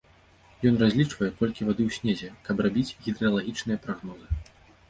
Ён разлічвае, колькі вады ў снезе, каб рабіць гідралагічныя прагнозы.